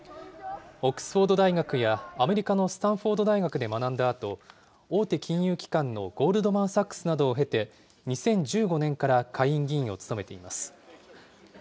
オックスフォード大学やアメリカのスタンフォード大学で学んだあと、大手金融機関のゴールドマン・サックスなどを経て、２０１５年から下院議員を務めています。